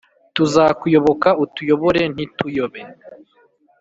Tuzakuyoboka utuyobore ntituyobe